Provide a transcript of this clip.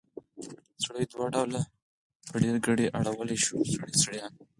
سړی دوه ډوله په ډېرګړي اړولی شو؛ سړي، سړيان.